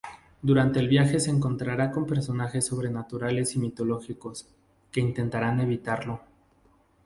Durante el viaje se encontrará con personajes sobrenaturales y mitológicos, que intentarán evitarlo.